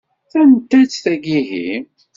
D anta-tt tagi ihi?